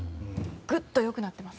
グッと良くなっています。